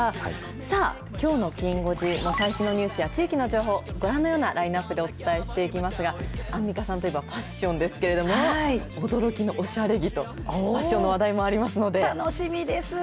さあ、きょうのきん５時、最新のニュースや地域の情報、ご覧のようなラインナップでお伝えしていきますが、アンミカさんといえばファッションですけれども、驚きのおしゃれ着と、ファッションの楽しみです。